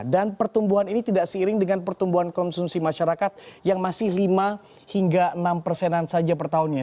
dan pertumbuhan ini tidak seiring dengan pertumbuhan konsumsi masyarakat yang masih lima hingga enam persenan saja per tahunnya